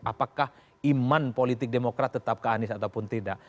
apakah iman politik demokrat tetap ke anies ataupun tidak